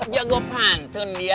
jago pantun ya